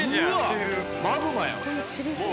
マグマよ。